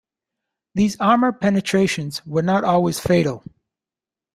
These armour penetrations were not always fatal.